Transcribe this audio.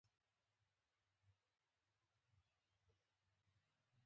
• لور د پلار د افتخار ستوری وي.